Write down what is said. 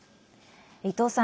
伊藤さん